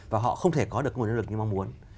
và họ không thể có được nguồn nhân lực như mong muốn